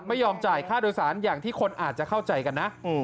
ไม่ยอมจ่ายค่าโดยสารอย่างที่คนอาจจะเข้าใจกันนะ